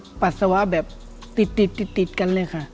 หนูปัจสวแบบติดเล็กเลยค่ะ